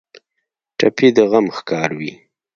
ټپي د غم ښکار وي.